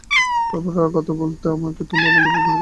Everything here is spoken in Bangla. তারপর আর কথা বলতে হলো না আমাকে, তোমরা বলতে পারবে কেন?